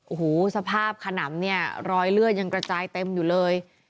โอ้โหสภาพขนำเนี่ยรอยเลือดยังกระจายเต็มอยู่เลย